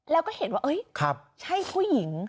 แล้วก็เห็นว่าใช่ผู้หญิง